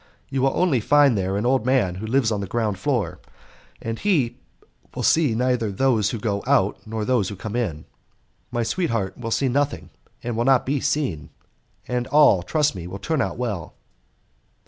You will only find there an old man who lives on the ground floor, and he will see neither those who go out nor those who come in. My sweetheart will see nothing and will not be seen; and all, trust me, will turn out well."